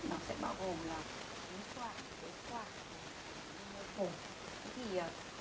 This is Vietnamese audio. nó sẽ bao gồm là viêm quả viêm tế quả viêm phổ